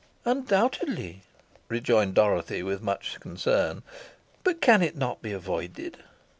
"Undoubtedly," rejoined Dorothy, with much concern. "But can it not be avoided?"